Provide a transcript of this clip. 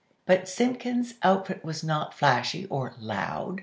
But Simpkins' outfit was not flashy or "loud."